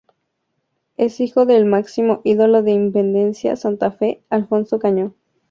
Es hijo de el máximo ídolo de Independiente Santa Fe, Alfonso Cañón.